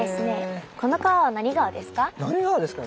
この川は何川ですか？